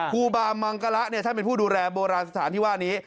ครูบามังกะละท่านเป็นผู้ดูแลโบราณสถานที่ว่านี้